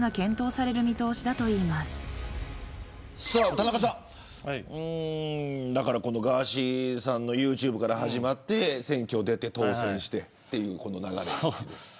田中さん、ガーシーさんのユーチューブから始まって選挙に出て当選してというこの流れ。